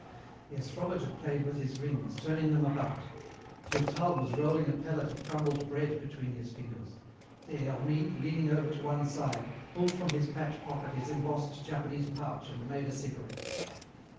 The astrologer played with his rings, turning them about; Durtal was rolling a pellet of crumbled bread between his fingers; Des Hermies, leaning over to one side, pulled from his patch pocket his embossed Japanese pouch and made a cigarette.